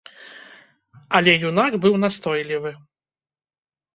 Але юнак быў настойлівы.